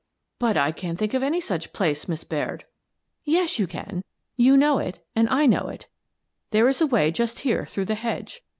" But I can't think of any such place, Miss Baird." " Yes, you can. You know it — and I know it. There is a way just here through the hedge.